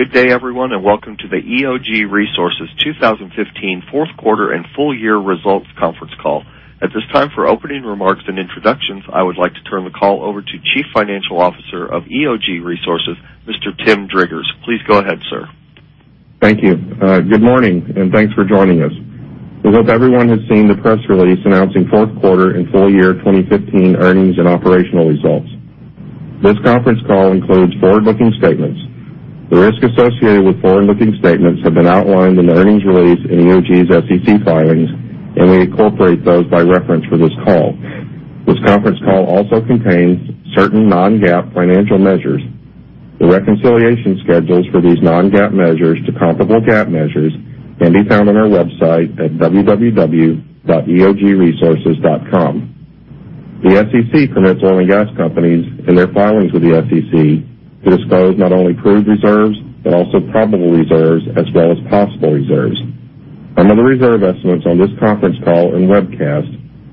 Good day everyone. Welcome to the EOG Resources 2015 fourth quarter and full year results conference call. At this time, for opening remarks and introductions, I would like to turn the call over to Chief Financial Officer of EOG Resources, Mr. Tim Driggers. Please go ahead, sir. Thank you. Good morning. Thanks for joining us. We hope everyone has seen the press release announcing fourth quarter and full year 2015 earnings and operational results. This conference call includes forward-looking statements. The risks associated with forward-looking statements have been outlined in the earnings release in EOG's SEC filings. We incorporate those by reference for this call. This conference call also contains certain non-GAAP financial measures. The reconciliation schedules for these non-GAAP measures to comparable GAAP measures can be found on our website at www.eogresources.com. The SEC permits oil and gas companies in their filings with the SEC to disclose not only proved reserves, but also probable reserves as well as possible reserves. Some of the reserve estimates on this conference call and webcast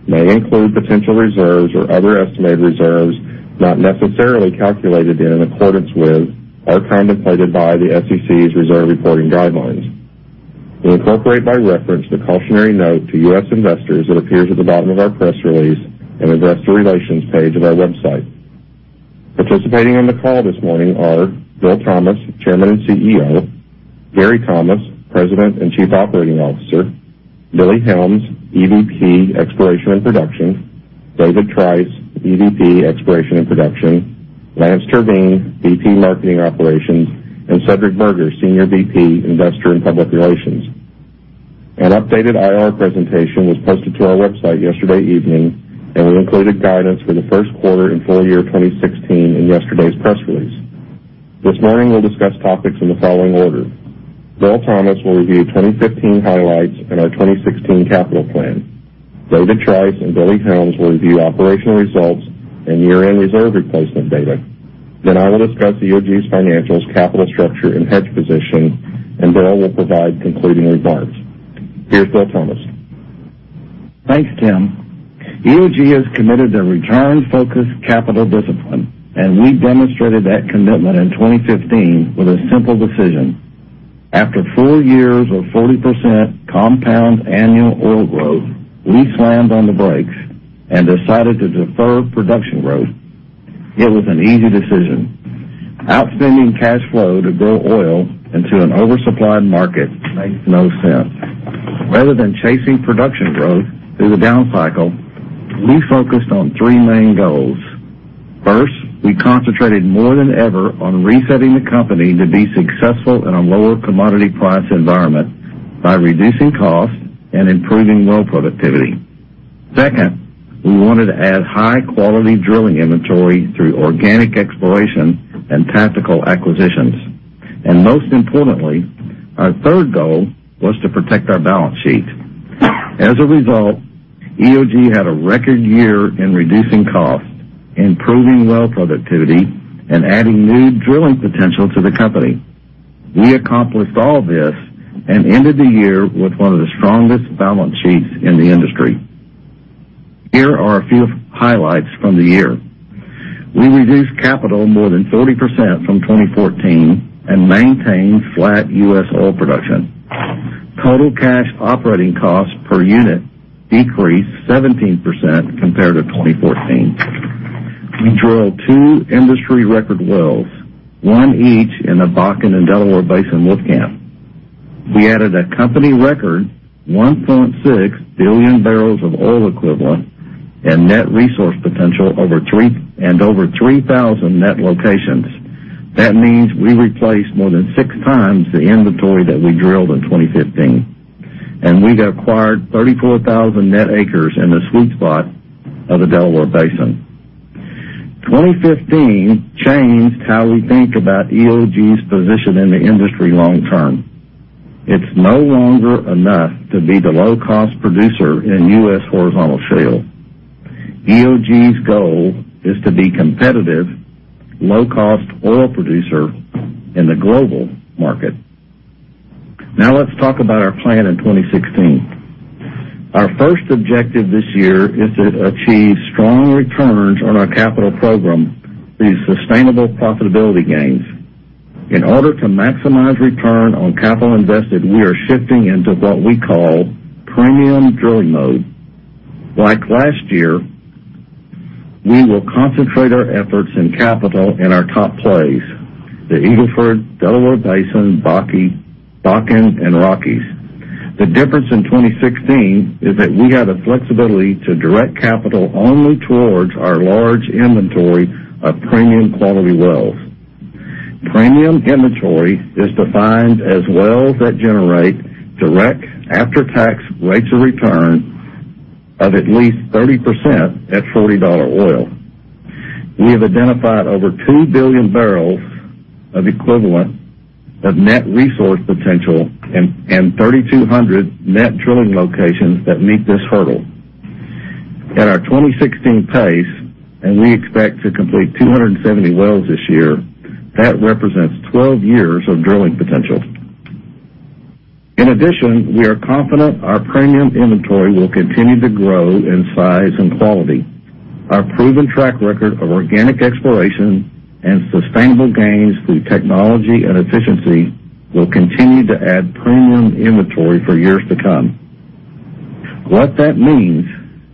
may include potential reserves or other estimated reserves not necessarily calculated in accordance with or contemplated by the SEC's reserve reporting guidelines. We incorporate by reference the cautionary note to U.S. investors that appears at the bottom of our press release and Investor Relations page of our website. Participating on the call this morning are Bill Thomas, Chairman and CEO, Gary Thomas, President and Chief Operating Officer, Billy Helms, EVP, Exploration and Production, David Trice, EVP, Exploration and Production, Lance Terveen, VP, Marketing Operations, and David Streit, Senior VP, Investor and Public Relations. An updated IR presentation was posted to our website yesterday evening. We included guidance for the first quarter and full year 2016 in yesterday's press release. This morning, we'll discuss topics in the following order. Bill Thomas will review 2015 highlights and our 2016 capital plan. David Trice and Billy Helms will review operational results and year-end reserve replacement data. I will discuss EOG's financials, capital structure, and hedge position. Bill will provide concluding remarks. Here's Bill Thomas. Thanks, Tim. EOG has committed to return focused capital discipline, and we demonstrated that commitment in 2015 with a simple decision. After four years of 40% compound annual oil growth, we slammed on the brakes and decided to defer production growth. It was an easy decision. Outspending cash flow to grow oil into an oversupplied market makes no sense. Rather than chasing production growth through the down cycle, we focused on three main goals. First, we concentrated more than ever on resetting the company to be successful in a lower commodity price environment by reducing costs and improving well productivity. Second, we wanted to add high-quality drilling inventory through organic exploration and tactical acquisitions. Most importantly, our third goal was to protect our balance sheet. As a result, EOG had a record year in reducing cost, improving well productivity, and adding new drilling potential to the company. We accomplished all this and ended the year with one of the strongest balance sheets in the industry. Here are a few highlights from the year. We reduced capital more than 30% from 2014 and maintained flat U.S. oil production. Total cash operating costs per unit decreased 17% compared to 2014. We drilled two industry record wells, one each in the Bakken and Delaware Basin Wolfcamp. We added a company record 1.6 billion barrels of oil equivalent and net resource potential and over 3,000 net locations. That means we replaced more than six times the inventory that we drilled in 2015. We acquired 34,000 net acres in the sweet spot of the Delaware Basin. 2015 changed how we think about EOG's position in the industry long term. It's no longer enough to be the low-cost producer in U.S. horizontal shale. EOG's goal is to be competitive, low-cost oil producer in the global market. Let's talk about our plan in 2016. Our first objective this year is to achieve strong returns on our capital program through sustainable profitability gains. In order to maximize return on capital invested, we are shifting into what we call premium drilling mode. Like last year, we will concentrate our efforts and capital in our top plays, the Eagle Ford, Delaware Basin, Bakken, and Rockies. The difference in 2016 is that we have the flexibility to direct capital only towards our large inventory of premium quality wells. Premium inventory is defined as wells that generate direct after-tax rates of return of at least 30% at $40 oil. We have identified over two billion barrels of equivalent of net resource potential and 3,200 net drilling locations that meet this hurdle. At our 2016 pace, we expect to complete 270 wells this year, that represents 12 years of drilling potential. In addition, we are confident our premium inventory will continue to grow in size and quality. Our proven track record of organic exploration and sustainable gains through technology and efficiency will continue to add premium inventory for years to come. What that means,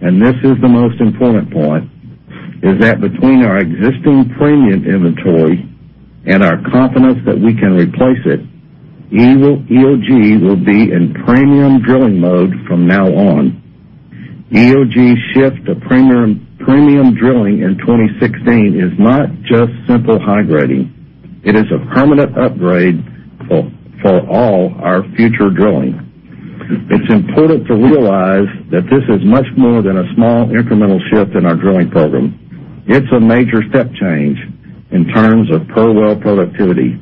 and this is the most important point, is that between our existing premium inventory and our confidence that we can replace it, EOG will be in premium drilling mode from now on. EOG's shift to premium drilling in 2016 is not just simple high grading. It is a permanent upgrade for all our future drilling. It's important to realize that this is much more than a small incremental shift in our drilling program. It's a major step change in terms of per well productivity.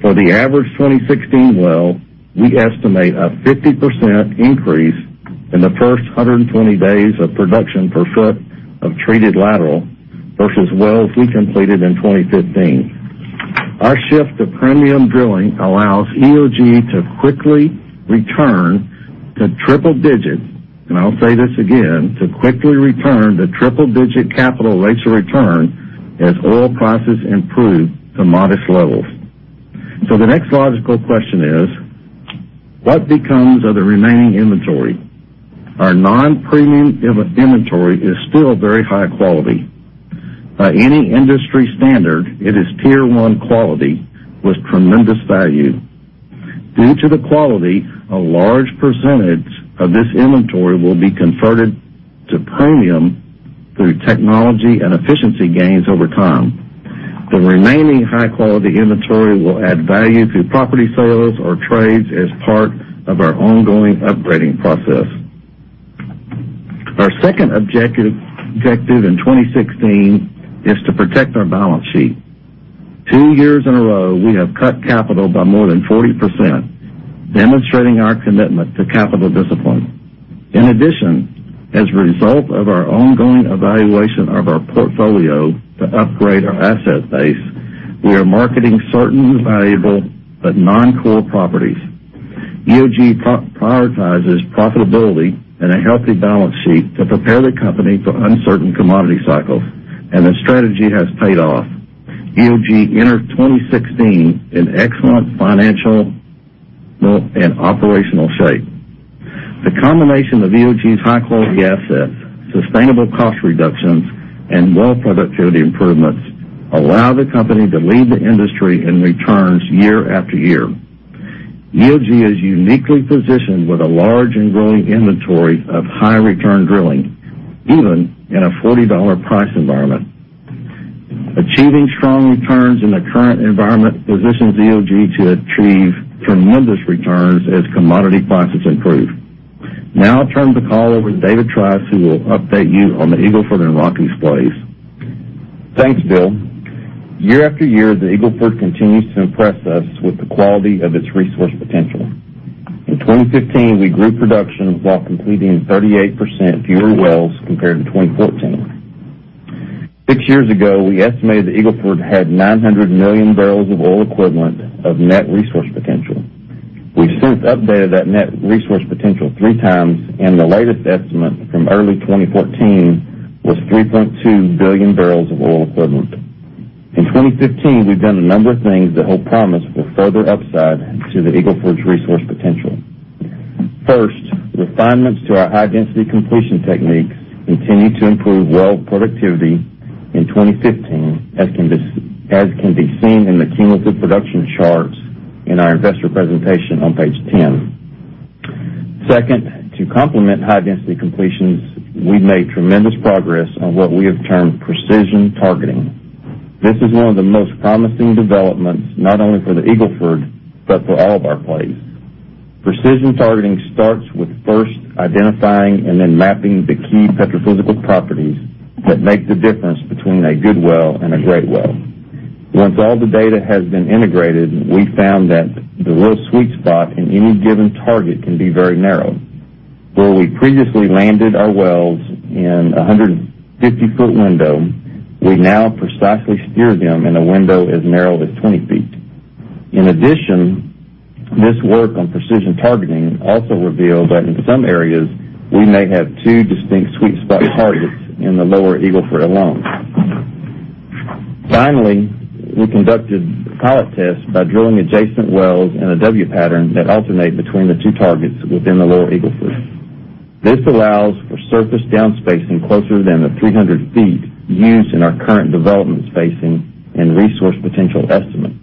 For the average 2016 well, we estimate a 50% increase in the first 120 days of production per foot of treated lateral versus wells we completed in 2015. Our shift to premium drilling allows EOG to quickly return to triple digits, and I'll say this again, to quickly return to triple digit capital rates of return as oil prices improve to modest levels. The next logical question is: What becomes of the remaining inventory? Our non-premium inventory is still very high quality. By any industry standard, it is tier 1 quality with tremendous value. Due to the quality, a large percentage of this inventory will be converted to premium through technology and efficiency gains over time. The remaining high-quality inventory will add value through property sales or trades as part of our ongoing upgrading process. Our second objective in 2016 is to protect our balance sheet. Two years in a row, we have cut capital by more than 40%, demonstrating our commitment to capital discipline. In addition, as a result of our ongoing evaluation of our portfolio to upgrade our asset base, we are marketing certain valuable but non-core properties. EOG prioritizes profitability and a healthy balance sheet to prepare the company for uncertain commodity cycles, and the strategy has paid off. EOG entered 2016 in excellent financial and operational shape. The combination of EOG's high-quality assets, sustainable cost reductions, and well productivity improvements allow the company to lead the industry in returns year after year. EOG is uniquely positioned with a large and growing inventory of high return drilling, even in a $40 price environment. Achieving strong returns in the current environment positions EOG to achieve tremendous returns as commodity prices improve. I'll turn the call over to David Trice, who will update you on the Eagle Ford and Rockies plays. Thanks, Bill. Year after year, the Eagle Ford continues to impress us with the quality of its resource potential. In 2015, we grew production while completing 38% fewer wells compared to 2014. Six years ago, we estimated the Eagle Ford had 900 million barrels of oil equivalent of net resource potential. We've since updated that net resource potential three times, and the latest estimate from early 2014 was 3.2 billion barrels of oil equivalent. In 2015, we've done a number of things that hold promise for further upside to the Eagle Ford's resource potential. First, refinements to our high-density completion techniques continued to improve well productivity in 2015, as can be seen in the cumulative production charts in our investor presentation on page 10. Second, to complement high-density completions, we've made tremendous progress on what we have termed precision targeting. This is one of the most promising developments, not only for the Eagle Ford, but for all of our plays. Precision targeting starts with first identifying and then mapping the key petrophysical properties that make the difference between a good well and a great well. Once all the data has been integrated, we found that the little sweet spot in any given target can be very narrow. Where we previously landed our wells in 150-foot window, we now precisely steer them in a window as narrow as 20 feet. In addition, this work on precision targeting also revealed that in some areas, we may have two distinct sweet spot targets in the lower Eagle Ford alone. Finally, we conducted pilot tests by drilling adjacent wells in a W pattern that alternate between the two targets within the lower Eagle Ford. This allows for surface down spacing closer than the 300 feet used in our current development spacing and resource potential estimates.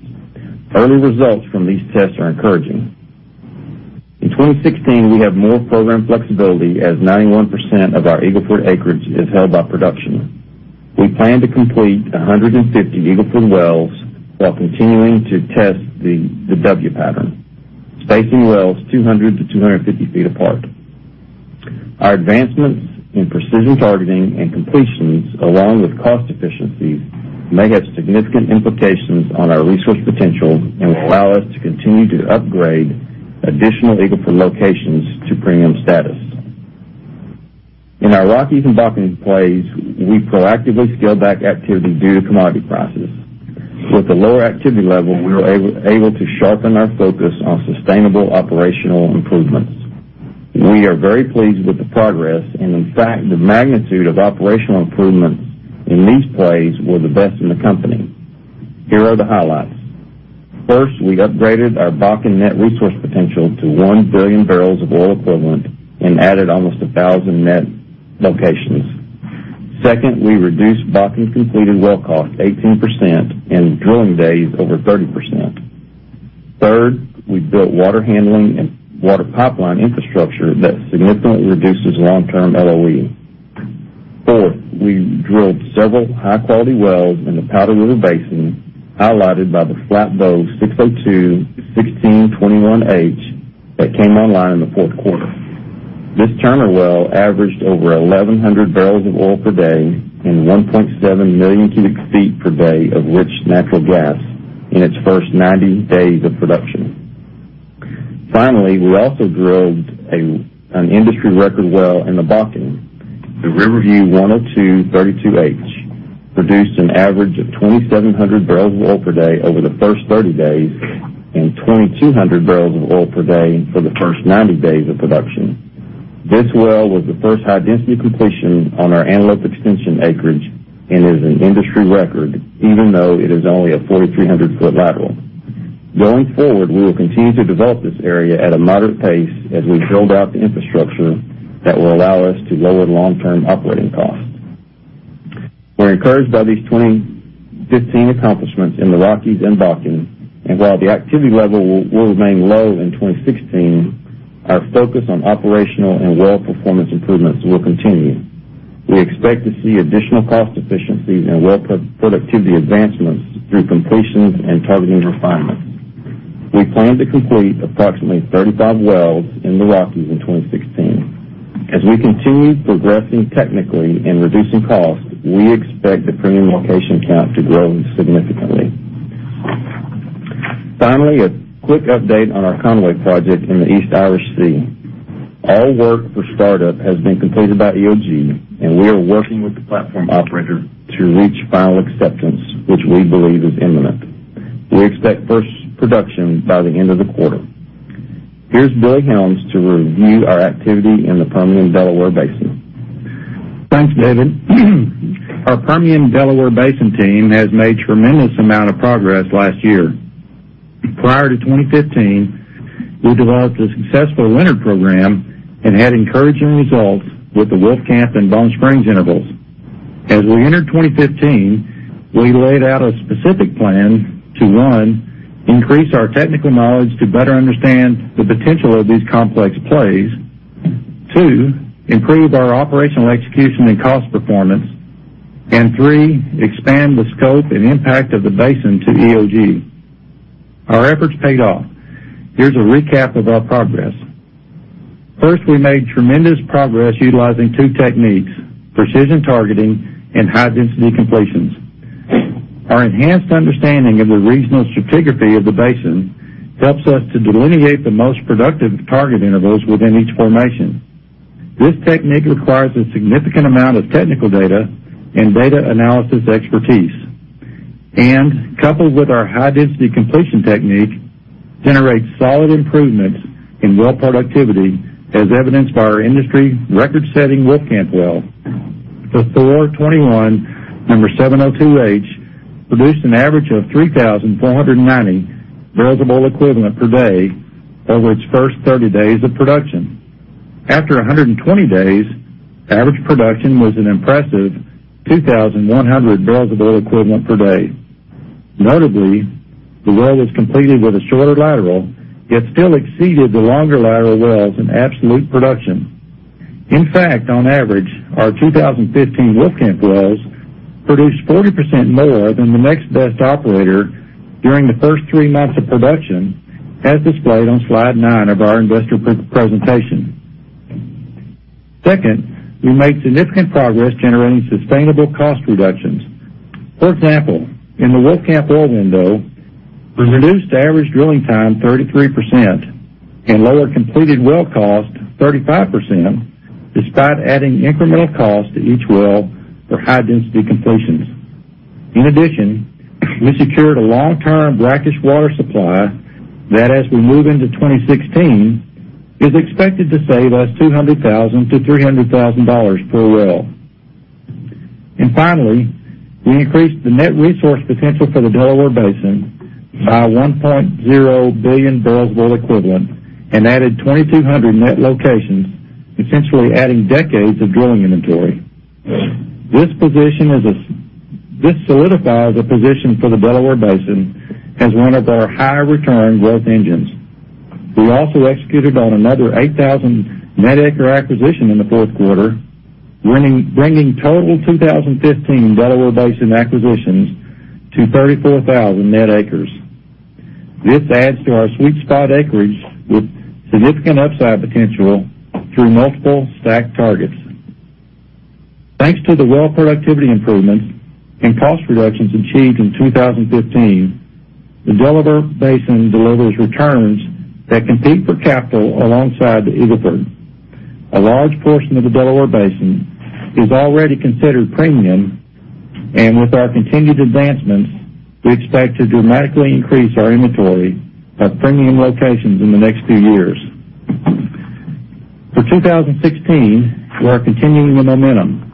Early results from these tests are encouraging. In 2016, we have more program flexibility as 91% of our Eagle Ford acreage is held by production. We plan to complete 150 Eagle Ford wells while continuing to test the W pattern, spacing wells 200 to 250 feet apart. Our advancements in precision targeting and completions, along with cost efficiencies, may have significant implications on our resource potential and will allow us to continue to upgrade additional Eagle Ford locations to premium status. In our Rockies and Bakken plays, we proactively scaled back activity due to commodity prices. With the lower activity level, we were able to sharpen our focus on sustainable operational improvements. We are very pleased with the progress. In fact, the magnitude of operational improvements in these plays were the best in the company. Here are the highlights. First, we upgraded our Bakken net resource potential to 1 billion barrels of oil equivalent and added almost 1,000 net locations. Second, we reduced Bakken's completed well cost 18% and drilling days over 30%. Third, we built water handling and water pipeline infrastructure that significantly reduces long-term LOE. Fourth, we drilled several high-quality wells in the Powder River Basin, highlighted by the Flatbow 602-1621H that came online in the fourth quarter. This Turner well averaged over 1,100 barrels of oil per day and 1.7 million cubic feet per day of rich natural gas in its first 90 days of production. Finally, we also drilled an industry record well in the Bakken. The River View 10-232H produced an average of 2,700 barrels of oil per day over the first 30 days and 2,200 barrels of oil per day for the first 90 days of production. This well was the first high-density completion on our Antelope extension acreage and is an industry record, even though it is only a 4,300-foot lateral. Going forward, we will continue to develop this area at a moderate pace as we build out the infrastructure that will allow us to lower long-term operating costs. We're encouraged by these 2015 accomplishments in the Rockies and Bakken. While the activity level will remain low in 2016, our focus on operational and well performance improvements will continue. We expect to see additional cost efficiencies and well productivity advancements through completions and targeting refinements. We plan to complete approximately 35 wells in the Rockies in 2016. As we continue progressing technically and reducing costs, we expect the premium location count to grow significantly. Finally, a quick update on our Conwy project in the East Irish Sea. All work for startup has been completed by EOG, we are working with the platform operator to reach final acceptance, which we believe is imminent. We expect first production by the end of the quarter. Here's Billy Helms to review our activity in the Permian Delaware Basin. Thanks, David. Our Permian Delaware Basin team has made tremendous amount of progress last year. Prior to 2015, we developed a successful winter program and had encouraging results with the Wolfcamp and Bone Spring intervals. As we entered 2015, we laid out a specific plan to, one, increase our technical knowledge to better understand the potential of these complex plays. Two, improve our operational execution and cost performance. Three, expand the scope and impact of the basin to EOG. Our efforts paid off. Here's a recap of our progress. First, we made tremendous progress utilizing two techniques, precision targeting and high-density completions. Our enhanced understanding of the regional stratigraphy of the basin helps us to delineate the most productive target intervals within each formation. This technique requires a significant amount of technical data and data analysis expertise, coupled with our high-density completion technique, generates solid improvements in well productivity, as evidenced by our industry record-setting Wolfcamp well. The Thor 21-702H produced an average of 3,490 barrels of oil equivalent per day over its first 30 days of production. After 120 days, average production was an impressive 2,100 barrels of oil equivalent per day. Notably, the well was completed with a shorter lateral, yet still exceeded the longer lateral wells in absolute production. In fact, on average, our 2015 Wolfcamp wells produced 40% more than the next best operator during the first three months of production, as displayed on slide nine of our investor presentation. Second, we made significant progress generating sustainable cost reductions. For example, in the Wolfcamp oil window, we reduced average drilling time 33% and lower completed well cost 35%, despite adding incremental cost to each well for high-density completions. In addition, we secured a long-term brackish water supply that, as we move into 2016, is expected to save us $200,000-$300,000 per well. Finally, we increased the net resource potential for the Delaware Basin by 1.0 billion barrels of oil equivalent and added 2,200 net locations, essentially adding decades of drilling inventory. This solidifies a position for the Delaware Basin as one of our high return growth engines. We also executed on another 8,000 net acre acquisition in the fourth quarter, bringing total 2015 Delaware Basin acquisitions to 34,000 net acres. This adds to our sweet spot acreage with significant upside potential through multiple stack targets. Thanks to the well productivity improvements and cost reductions achieved in 2015, the Delaware Basin delivers returns that compete for capital alongside the Eagle Ford. A large portion of the Delaware Basin is already considered premium, and with our continued advancements, we expect to dramatically increase our inventory of premium locations in the next few years. For 2016, we are continuing the momentum.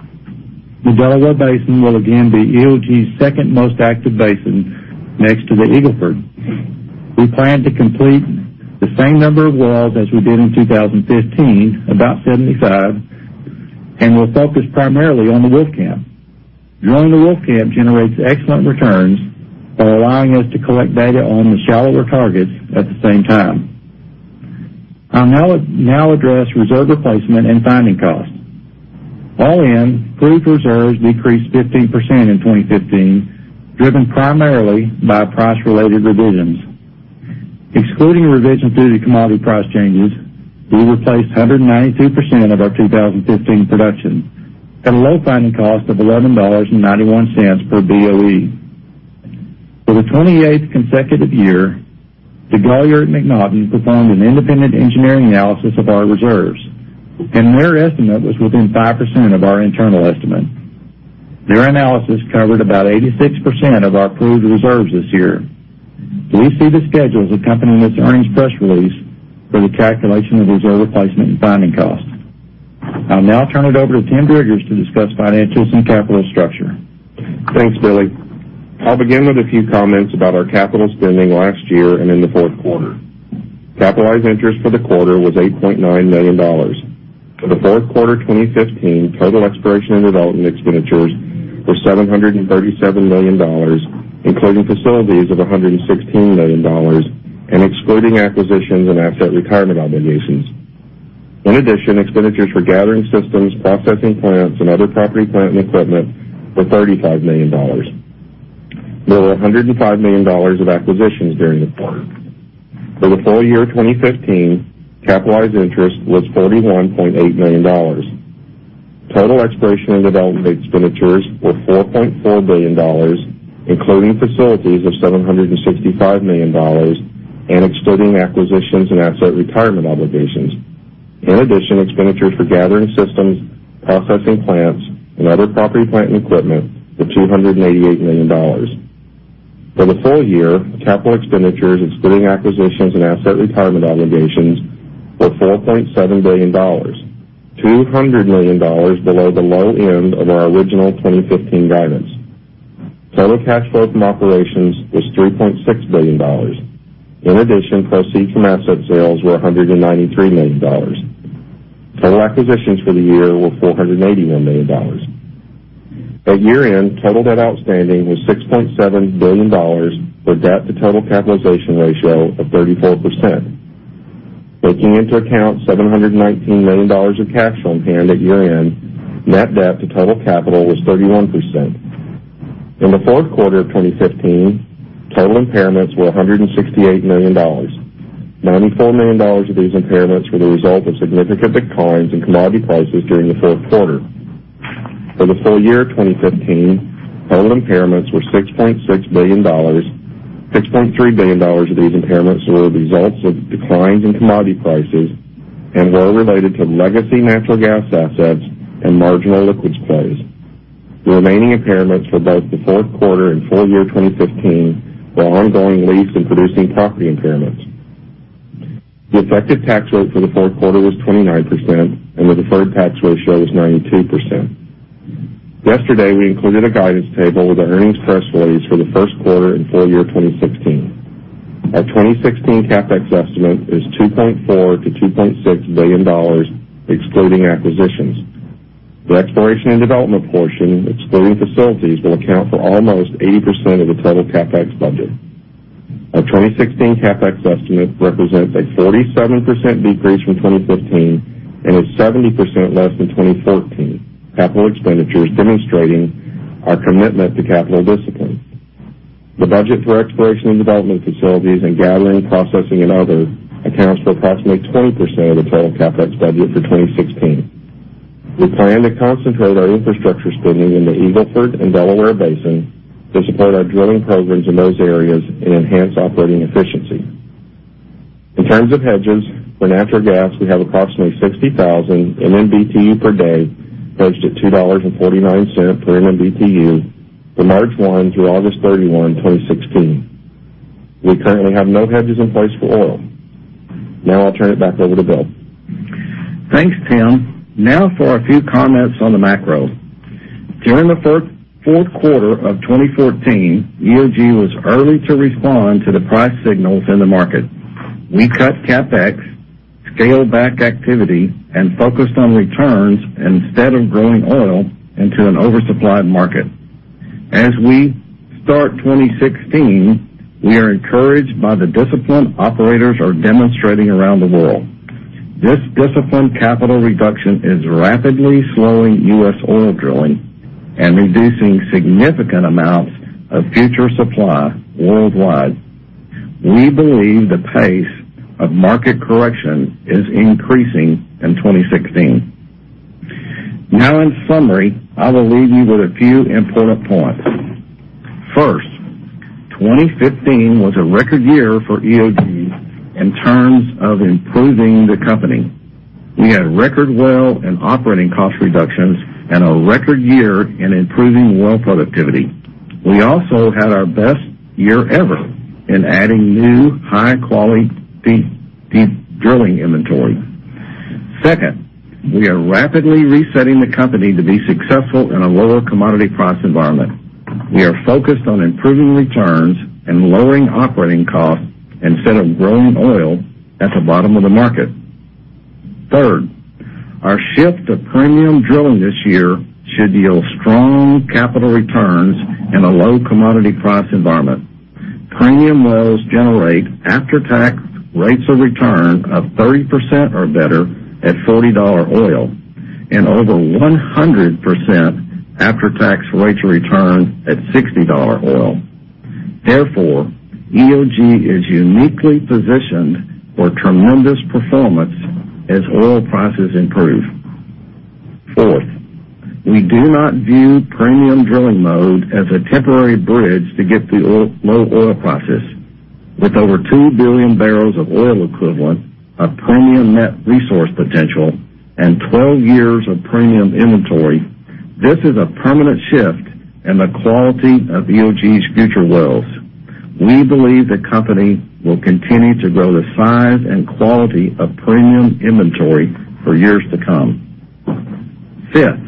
The Delaware Basin will again be EOG's second most active basin next to the Eagle Ford. We plan to complete the same number of wells as we did in 2015, about 75, and we'll focus primarily on the Wolfcamp. Drilling the Wolfcamp generates excellent returns while allowing us to collect data on the shallower targets at the same time. I'll now address reserve replacement and finding costs. All in, proved reserves decreased 15% in 2015, driven primarily by price-related revisions. Excluding revisions due to commodity price changes, we replaced 192% of our 2015 production at a low finding cost of $11.91 per BOE. For the 28th consecutive year, DeGolyer MacNaughton performed an independent engineering analysis of our reserves. Their estimate was within 5% of our internal estimate. Their analysis covered about 86% of our proved reserves this year. Please see the schedules accompanying this earnings press release for the calculation of reserve replacement and finding costs. I'll now turn it over to Tim Driggers to discuss financials and capital structure. Thanks, Billy. I'll begin with a few comments about our capital spending last year and in the fourth quarter. Capitalized interest for the quarter was $8.9 million. For the fourth quarter 2015, total exploration and development expenditures were $737 million, including facilities of $116 million and excluding acquisitions and asset retirement obligations. In addition, expenditures for gathering systems, processing plants, and other property, plant, and equipment were $35 million. There were $105 million of acquisitions during the quarter. For the full year 2015, capitalized interest was $41.8 million. Total exploration and development expenditures were $4.4 billion, including facilities of $765 million and excluding acquisitions and asset retirement obligations. In addition, expenditures for gathering systems, processing plants, and other property, plant, and equipment were $288 million. For the full year, capital expenditures, excluding acquisitions and asset retirement obligations, were $4.7 billion, $200 million below the low end of our original 2015 guidance. Total cash flow from operations was $3.6 billion. In addition, proceeds from asset sales were $193 million. Total acquisitions for the year were $481 million. At year-end, total debt outstanding was $6.7 billion, for a debt-to-total capitalization ratio of 34%. Taking into account $719 million of cash on hand at year-end, net debt to total capital was 31%. In the fourth quarter of 2015, total impairments were $168 million. $94 million of these impairments were the result of significant declines in commodity prices during the fourth quarter. For the full year of 2015, total impairments were $6.6 billion. $6.3 billion of these impairments were the results of declines in commodity prices and were related to legacy natural gas assets and marginal liquids plays. The remaining impairments for both the fourth quarter and full year 2015 were ongoing lease and producing property impairments. The effective tax rate for the fourth quarter was 29%, and the deferred tax ratio was 92%. Yesterday, we included a guidance table with our earnings press release for the first quarter and full year 2016. Our 2016 CapEx estimate is $2.4 billion-$2.6 billion, excluding acquisitions. The exploration and development portion, excluding facilities, will account for almost 80% of the total CapEx budget. Our 2016 CapEx estimate represents a 47% decrease from 2015 and is 70% less than 2014 capital expenditures, demonstrating our commitment to capital discipline. The budget for exploration and development facilities and gathering, processing, and other accounts for approximately 20% of the total CapEx budget for 2016. We plan to concentrate our infrastructure spending in the Eagle Ford and Delaware Basin to support our drilling programs in those areas and enhance operating efficiency. In terms of hedges, for natural gas, we have approximately 60,000 MMBtu per day hedged at $2.49 per MMBtu from March 1 through August 31, 2016. We currently have no hedges in place for oil. I'll turn it back over to Bill. Thanks, Tim. For a few comments on the macro. During the fourth quarter of 2014, EOG was early to respond to the price signals in the market. We cut CapEx, scaled back activity, and focused on returns instead of growing oil into an oversupplied market. As we start 2016, we are encouraged by the discipline operators are demonstrating around the world. This disciplined capital reduction is rapidly slowing U.S. oil drilling and reducing significant amounts of future supply worldwide. We believe the pace of market correction is increasing in 2016. In summary, I will leave you with a few important points. First, 2015 was a record year for EOG in terms of improving the company. We had record well and operating cost reductions and a record year in improving well productivity. We also had our best year ever in adding new high-quality deep drilling inventory. Second, we are rapidly resetting the company to be successful in a lower commodity price environment. We are focused on improving returns and lowering operating costs instead of growing oil at the bottom of the market. Third, our shift to premium drilling this year should yield strong capital returns in a low commodity price environment. Premium wells generate after-tax rates of return of 30% or better at $40 oil and over 100% after-tax rates of return at $60 oil. EOG is uniquely positioned for tremendous performance as oil prices improve. Fourth, we do not view premium drilling mode as a temporary bridge to get through low oil prices. With over 2 billion barrels of oil equivalent of premium net resource potential and 12 years of premium inventory, this is a permanent shift in the quality of EOG's future wells. We believe the company will continue to grow the size and quality of premium inventory for years to come. Fifth,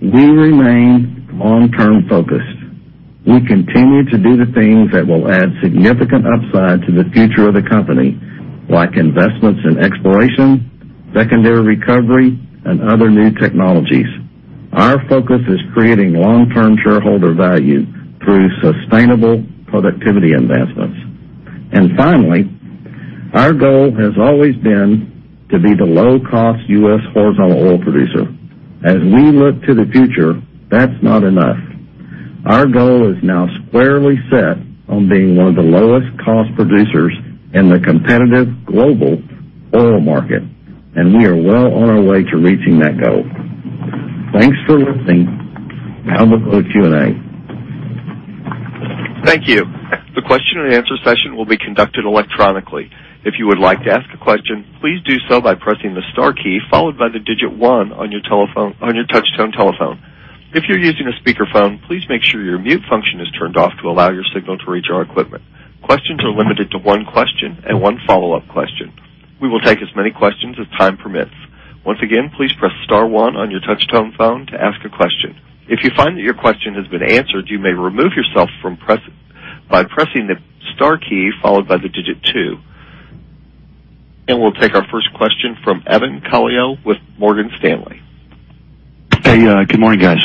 we remain long-term focused. We continue to do the things that will add significant upside to the future of the company, like investments in exploration, secondary recovery, and other new technologies. Our focus is creating long-term shareholder value through sustainable productivity investments. Finally, our goal has always been to be the low-cost U.S. horizontal oil producer. As we look to the future, that's not enough. Our goal is now squarely set on being one of the lowest cost producers in the competitive global oil market, we are well on our way to reaching that goal. Thanks for listening. We'll go to Q&A. Thank you. The question and answer session will be conducted electronically. If you would like to ask a question, please do so by pressing the star key followed by the digit 1 on your touchtone telephone. If you're using a speakerphone, please make sure your mute function is turned off to allow your signal to reach our equipment. Questions are limited to one question and one follow-up question. We will take as many questions as time permits. Once again, please press star 1 on your touchtone phone to ask a question. If you find that your question has been answered, you may remove yourself by pressing the star key followed by the digit 2. We'll take our first question from Evan Calio with Morgan Stanley. Hey, good morning, guys.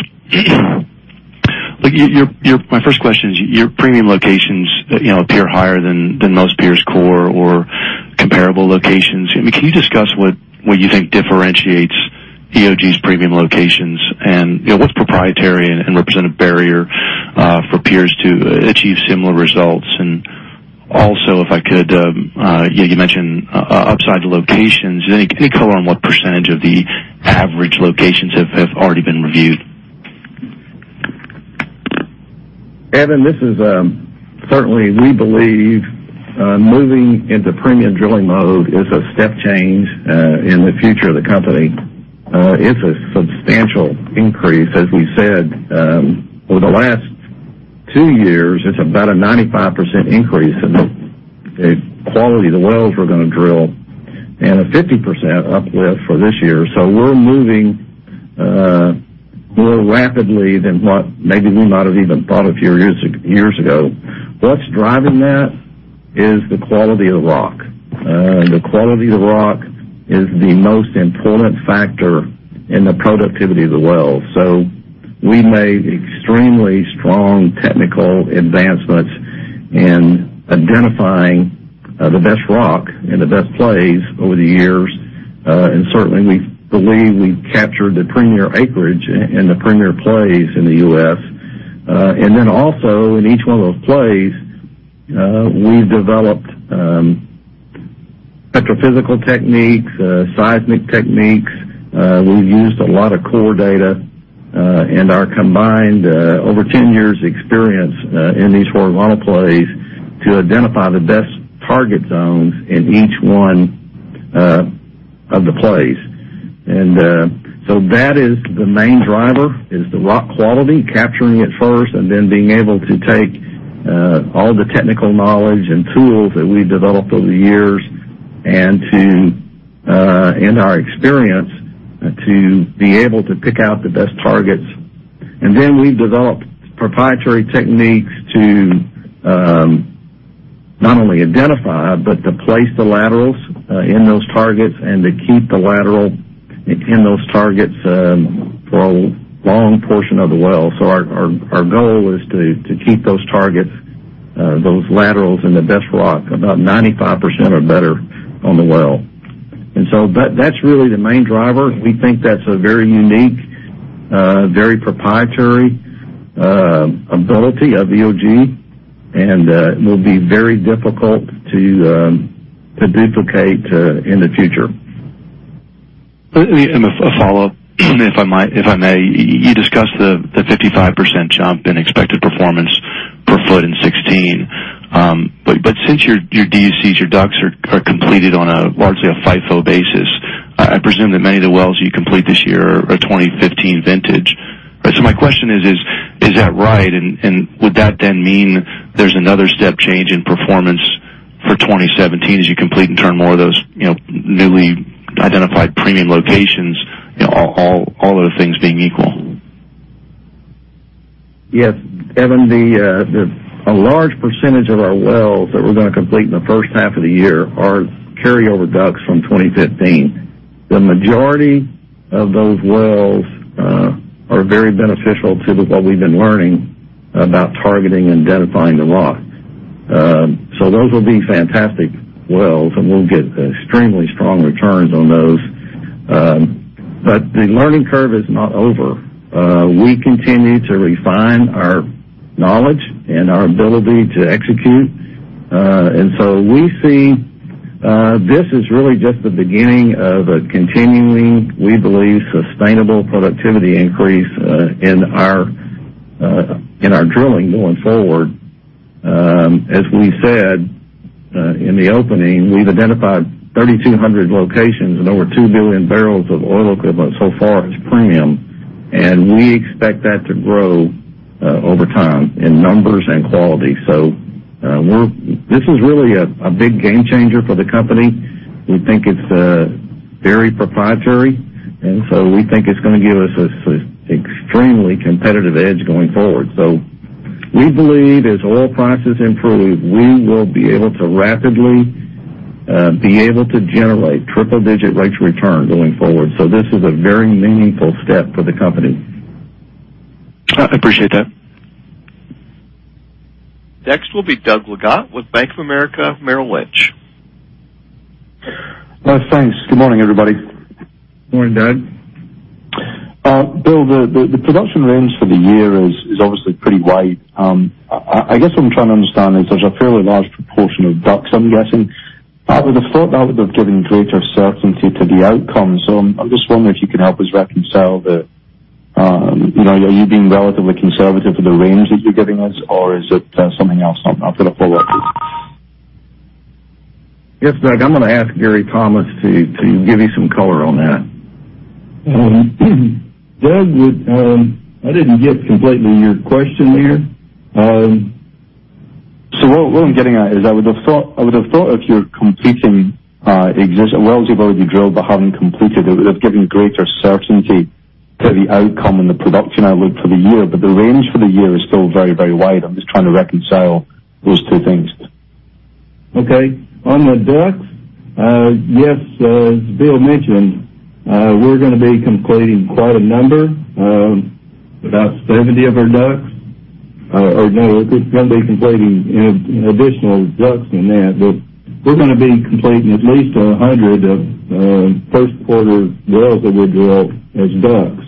My first question is, your premium locations appear higher than most peers' core or comparable locations. Can you discuss what you think differentiates EOG's premium locations, what's proprietary and represent a barrier for peers to achieve similar results? Also, if I could, you mentioned upside locations. Can you color on what percentage of the average locations have already been reviewed? Evan, certainly, we believe moving into premium drilling mode is a step change in the future of the company. It's a substantial increase. As we said, over the last two years, it's about a 95% increase in the quality of the wells we're going to drill and a 50% uplift for this year. We're moving more rapidly than what maybe we might have even thought a few years ago. What's driving that is the quality of the rock. The quality of the rock is the most important factor in the productivity of the well. We made extremely strong technical advancements in identifying the best rock and the best plays over the years. Certainly, we believe we captured the premier acreage and the premier plays in the U.S. Also, in each one of those plays, we developed petrophysical techniques, seismic techniques. We've used a lot of core data and our combined over 10 years experience in these horizontal plays to identify the best target zones in each one of the plays. That is the main driver is the rock quality, capturing it first, and then being able to take all the technical knowledge and tools that we've developed over the years and our experience to be able to pick out the best targets. We've developed proprietary techniques to not only identify, but to place the laterals in those targets and to keep the lateral in those targets for a long portion of the well. Our goal is to keep those laterals in the best rock, about 95% or better on the well. That's really the main driver. We think that's a very unique, very proprietary ability of EOG, will be very difficult to duplicate in the future. A follow-up, if I may. You discussed the 55% jump in expected performance per foot in 2016. Since your DUCs are completed on a largely a FIFO basis, I presume that many of the wells you complete this year are 2015 vintage, right? My question is that right? Would that then mean there's another step change in performance for 2017 as you complete and turn more of those newly identified premium locations, all other things being equal? Yes. Evan, a large percentage of our wells that we're going to complete in the first half of the year are carry-over DUCs from 2015. The majority of those wells are very beneficial to what we've been learning about targeting and identifying the rock. Those will be fantastic wells, and we'll get extremely strong returns on those. The learning curve is not over. We continue to refine our knowledge and our ability to execute. We see this is really just the beginning of a continuing, we believe, sustainable productivity increase in our drilling going forward. As we said in the opening, we've identified 3,200 locations and over 2 billion barrels of oil equivalent so far as premium, and we expect that to grow over time in numbers and quality. This is really a big game changer for the company. We think it's very proprietary, we think it's going to give us an extremely competitive edge going forward. We believe as oil prices improve, we will be able to rapidly be able to generate triple-digit rates of return going forward. This is a very meaningful step for the company. I appreciate that. Next will be Doug Leggate with Bank of America Merrill Lynch. Thanks. Good morning, everybody. Morning, Doug. Bill, the production range for the year is obviously pretty wide. I guess what I'm trying to understand is there's a fairly large proportion of DUCs, I'm guessing. I would've thought that would have given greater certainty to the outcome. I'm just wondering if you can help us. Are you being relatively conservative with the range that you're giving us, or is it something else? I've got a follow-up. Yes, Doug, I'm going to ask Gary Thomas to give you some color on that. Doug, I didn't get completely your question there. What I'm getting at is I would've thought if you're completing wells that have already been drilled but haven't completed, it would have given greater certainty to the outcome and the production outlook for the year. The range for the year is still very wide. I'm just trying to reconcile those two things. Okay. On the DUCs, yes, as Bill mentioned, we're going to be completing quite a number, about 70 of our DUCs. We're going to be completing additional DUCs than that. We're going to be completing at least 100 of first quarter wells that we drilled as DUCs.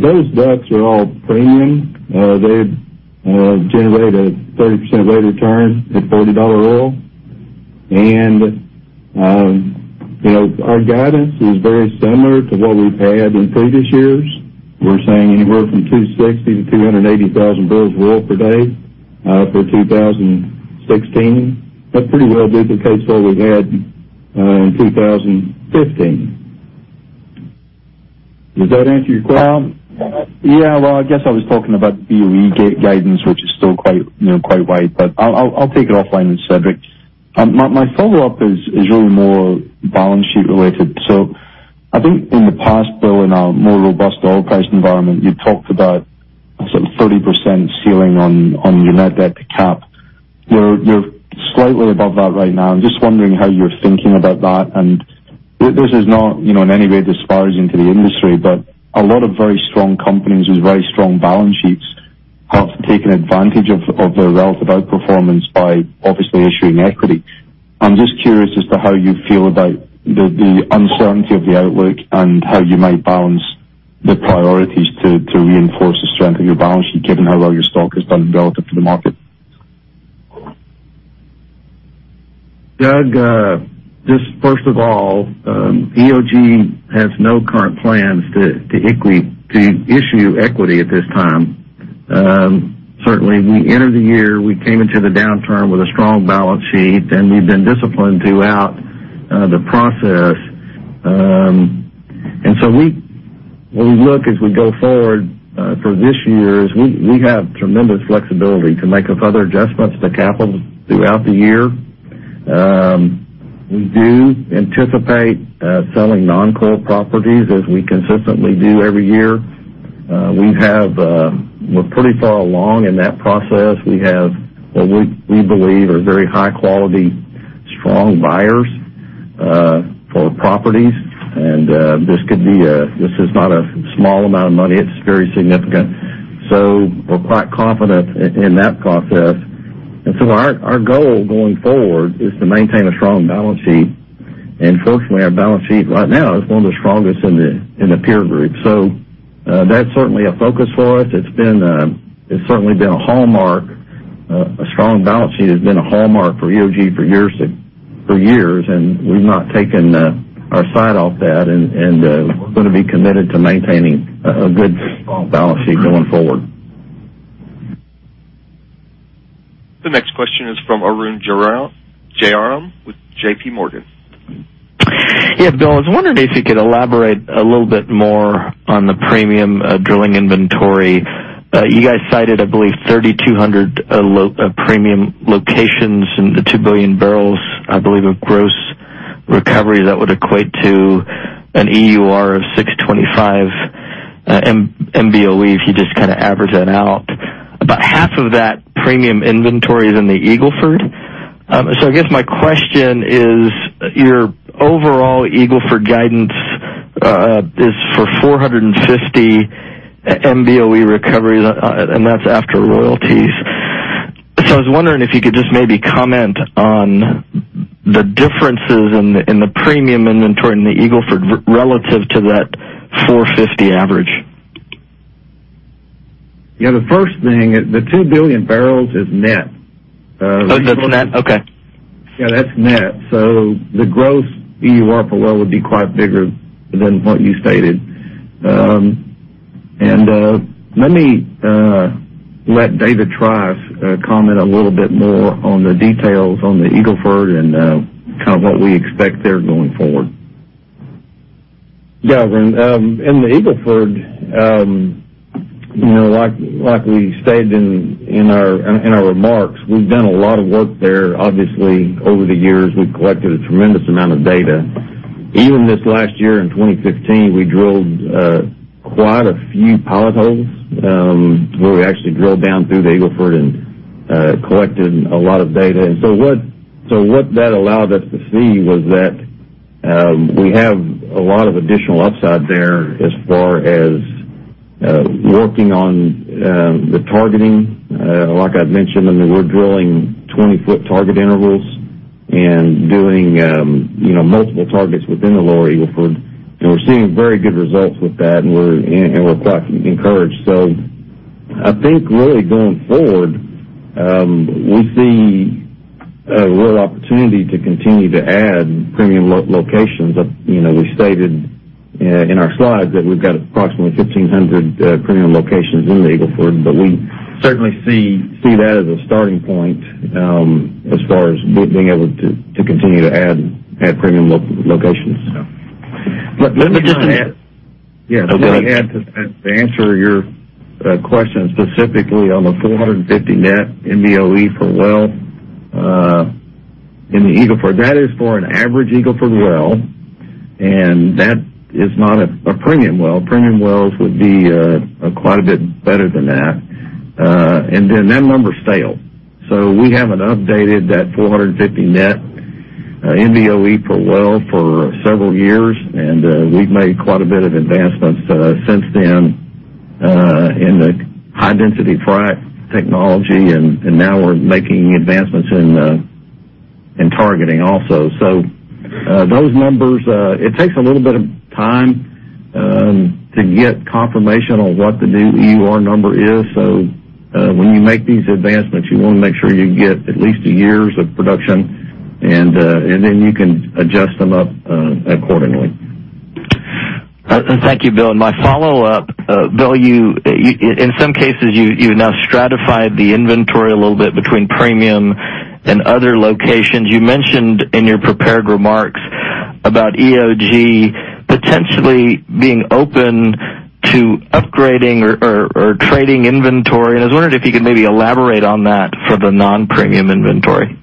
Those DUCs are all premium. They generate a 30% rate of return at $40 oil. Our guidance is very similar to what we've had in previous years. We're saying anywhere from 260,000-280,000 barrels of oil per day for 2016. That pretty well duplicates what we had in 2015. Does that answer your question? Yeah. Well, I guess I was talking about BOE guidance, which is still quite wide, but I'll take it offline, Cedric. My follow-up is really more balance sheet related. I think in the past, Bill, in a more robust oil price environment, you talked about some 30% ceiling on your net debt to cap. You're slightly above that right now. I'm just wondering how you're thinking about that. This is not in any way disparaging to the industry, but a lot of very strong companies with very strong balance sheets have taken advantage of their relative outperformance by obviously issuing equity. I'm just curious as to how you feel about the uncertainty of the outlook and how you might balance the priorities to reinforce the strength of your balance sheet, given how well your stock has done relative to the market. Doug, just first of all, EOG has no current plans to issue equity at this time. Certainly, we entered the year, we came into the downturn with a strong balance sheet, and we've been disciplined throughout the process. When we look as we go forward for this year, is we have tremendous flexibility to make other adjustments to capital throughout the year. We do anticipate selling non-core properties as we consistently do every year. We're pretty far along in that process. We have what we believe are very high quality, strong buyers for properties. This is not a small amount of money. It's very significant. We're quite confident in that process. Our goal going forward is to maintain a strong balance sheet. Fortunately, our balance sheet right now is one of the strongest in the peer group. That's certainly a focus for us. It's certainly been a hallmark. A strong balance sheet has been a hallmark for EOG for years, and we've not taken our sight off that, and we're going to be committed to maintaining a good strong balance sheet going forward. The next question is from Arun Jayaram with JPMorgan. Yeah. Bill, I was wondering if you could elaborate a little bit more on the premium drilling inventory. You guys cited, I believe, 3,200 premium locations and the 2 billion barrels, I believe, of gross recovery that would equate to an EUR of 625 MBOE, if you just average that out. About half of that premium inventory is in the Eagle Ford. I guess my question is, your overall Eagle Ford guidance is for 450 MBOE recovery, and that's after royalties. I was wondering if you could just maybe comment on the differences in the premium inventory in the Eagle Ford relative to that 450 average. Yeah. The first thing, the 2 billion barrels is net. Oh, that's net? Okay. Yeah, that's net. The gross EUR per well would be quite bigger than what you stated. Let me let David Trice comment a little bit more on the details on the Eagle Ford and what we expect there going forward. Yeah. In the Eagle Ford, like we stated in our remarks, we've done a lot of work there. Obviously, over the years, we've collected a tremendous amount of data. Even this last year in 2015, we drilled quite a few pilot holes, where we actually drilled down through the Eagle Ford and collected a lot of data. What that allowed us to see was that we have a lot of additional upside there as far as working on the targeting. Like I'd mentioned, we're drilling 20-foot target intervals and doing multiple targets within the Lower Eagle Ford, and we're seeing very good results with that, and we're quite encouraged. I think really going forward, we see a real opportunity to continue to add premium locations. We stated in our slides that we've got approximately 1,500 premium locations in the Eagle Ford, but we certainly see that as a starting point as far as being able to continue to add premium locations. Let me just add. Okay. Let me add to that. To answer your question specifically on the 450 net MBOE per well in the Eagle Ford, that is for an average Eagle Ford well, and that is not a premium well. Premium wells would be quite a bit better than that. Then that number's stale. We haven't updated that 450 net MBOE per well for several years, and we've made quite a bit of advancements since then in the high-density frac technology, and now we're making advancements in targeting also. Those numbers, it takes a little bit of time to get confirmation on what the new EUR number is. When you make these advancements, you want to make sure you get at least a year of production, and then you can adjust them up accordingly. Thank you, Bill. My follow-up, Bill, in some cases, you now stratified the inventory a little bit between premium and other locations. You mentioned in your prepared remarks about EOG potentially being open to upgrading or trading inventory, and I was wondering if you could maybe elaborate on that for the non-premium inventory.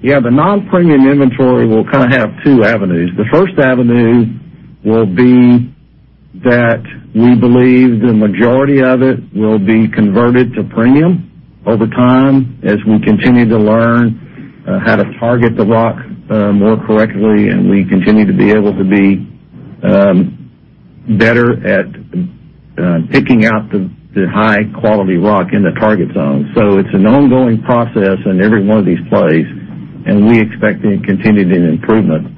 The non-premium inventory will have two avenues. The first avenue will be that we believe the majority of it will be converted to premium over time as we continue to learn how to target the rock more correctly, and we continue to be able to be better at picking out the high-quality rock in the target zone. It's an ongoing process in every one of these plays, and we expect a continued improvement.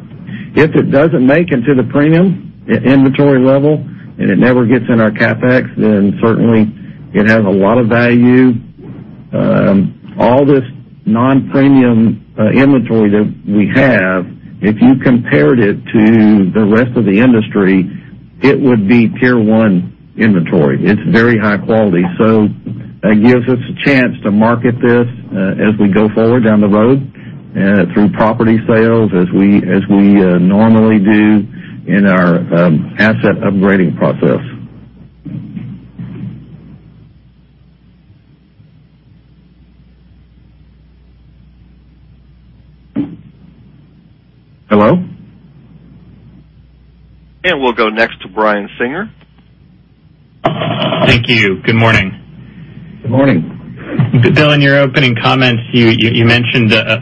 If it doesn't make it to the premium inventory level and it never gets in our CapEx, certainly it has a lot of value. All this non-premium inventory that we have, if you compared it to the rest of the industry, it would be tier 1 inventory. It's very high quality. That gives us a chance to market this as we go forward down the road through property sales as we normally do in our asset upgrading process. Hello? We'll go next to Brian Singer. Thank you. Good morning. Good morning. Bill, in your opening comments, you mentioned a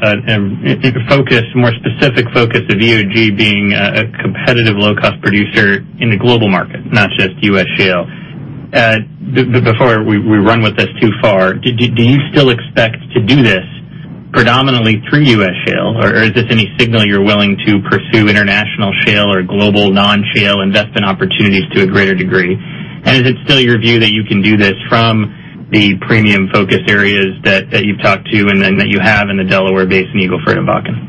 more specific focus of EOG being a competitive low-cost producer in the global market, not just U.S. shale. Before we run with this too far, do you still expect to do this predominantly through U.S. shale? Or is this any signal you're willing to pursue international shale or global non-shale investment opportunities to a greater degree? Is it still your view that you can do this from the premium focus areas that you've talked to and then that you have in the Delaware Basin, Eagle Ford, and Bakken?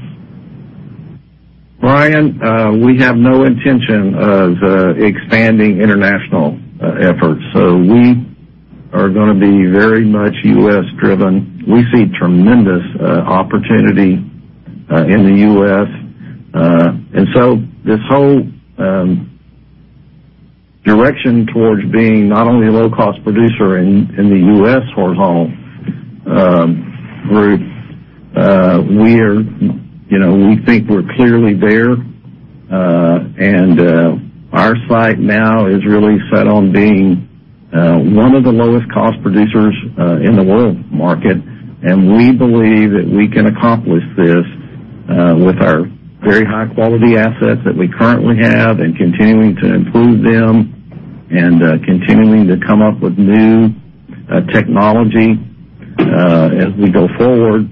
Brian, we have no intention of expanding international efforts. We are going to be very much U.S.-driven. We see tremendous opportunity in the U.S. This whole direction towards being not only a low-cost producer in the U.S. for oil, we think we're clearly there. Our sight now is really set on being one of the lowest cost producers in the world market, and we believe that we can accomplish this with our very high-quality assets that we currently have and continuing to improve them and continuing to come up with new technology as we go forward.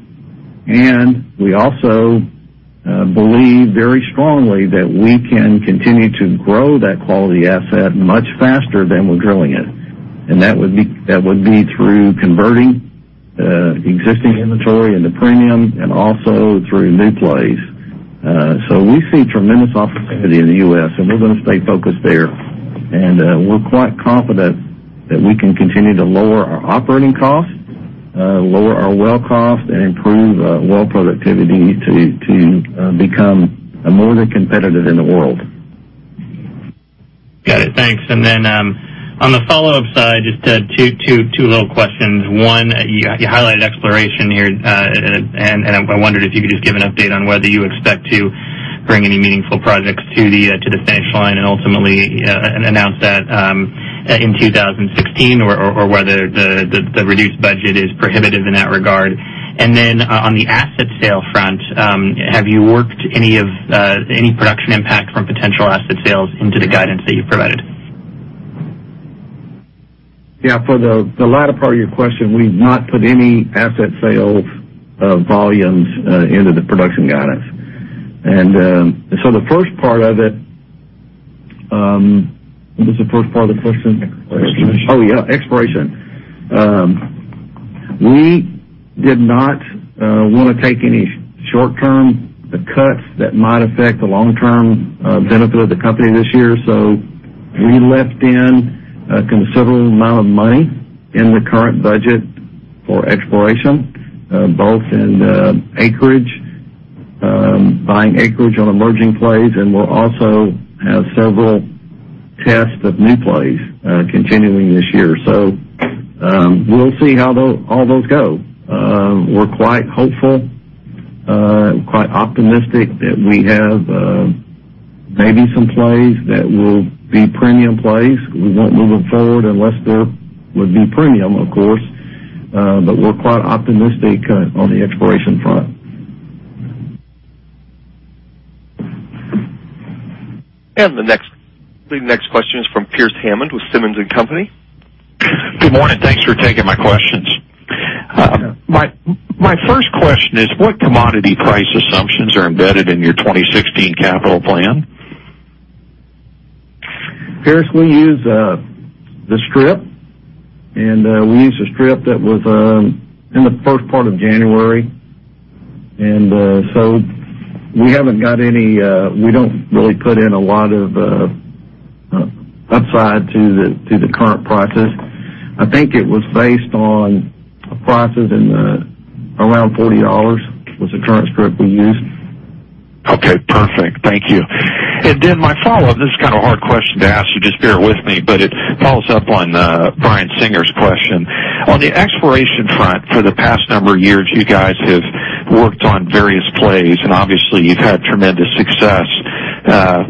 We also believe very strongly that we can continue to grow that quality asset much faster than we're drilling it. That would be through converting existing inventory into premium and also through new plays. We see tremendous opportunity in the U.S., and we're going to stay focused there. We're quite confident that we can continue to lower our operating costs, lower our well costs, and improve well productivity to become more than competitive in the world. Got it. Thanks. On the follow-up side, just two little questions. One, you highlighted exploration here, and I wondered if you could just give an update on whether you expect to bring any meaningful projects to the finish line and ultimately announce that in 2016 or whether the reduced budget is prohibitive in that regard. On the asset sale front, have you worked any production impact from potential asset sales into the guidance that you've provided? Yeah. For the latter part of your question, we've not put any asset sales volumes into the production guidance. The first part of it, what was the first part of the question? Exploration. Oh, yeah, exploration. We did not want to take any short-term cuts that might affect the long-term benefit of the company this year. We left in a considerable amount of money in the current budget for exploration, both in acreage, buying acreage on emerging plays, and we'll also have several tests of new plays continuing this year. We'll see how all those go. We're quite hopeful and quite optimistic that we have maybe some plays that will be premium plays. We won't move them forward unless there would be premium, of course. We're quite optimistic on the exploration front. The next question is from Pearce Hammond with Simmons & Company. Good morning. Thanks for taking my questions. Yeah. My first question is what commodity price assumptions are embedded in your 2016 capital plan? Pearce, we use the strip, we used a strip that was in the first part of January. We don't really put in a lot of upside to the current prices. I think it was based on prices around $40 was the current strip we used. Okay, perfect. Thank you. My follow-up, this is kind of a hard question to ask, so just bear with me, but it follows up on Brian Singer's question. On the exploration front, for the past number of years, you guys have worked on various plays, and obviously, you've had tremendous success